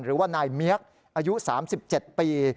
หรือว่านายเมียกอายุ๓๗ปี